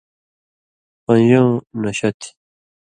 پَن٘ژؤں نشہ تھی؛